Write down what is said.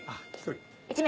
１人。